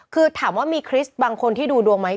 คือถามว่ามีคริสต์บางคนที่ดูดวงไหม